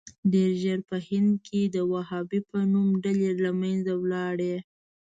ډېر ژر په هند کې د وهابي په نوم ډلې له منځه ولاړې.